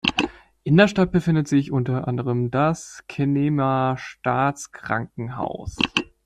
In der Stadt befindet sich unter anderem das Kenema-Staatskrankenhaus.